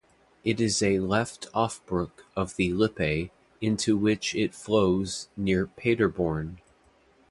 It is a left offbrook of the Lippe, into which it flows near Paderborn.